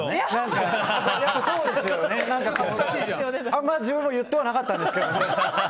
あまり自分も言ってはなかったんですけど。